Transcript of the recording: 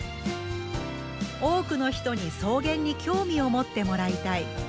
多くの人に草原に興味を持ってもらいたい。